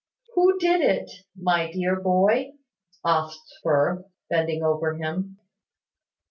"Who did it, my dear boy?" asked Firth, bending over him.